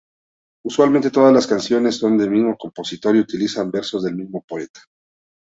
Usualmente todas las canciones son del mismo compositor y utilizan versos del mismo poeta.